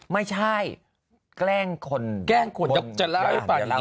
ไม่ใช่แกล้งคนบนอย่างนี้